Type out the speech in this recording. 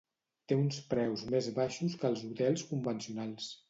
Té uns preus més baixos que els hotels convencionals.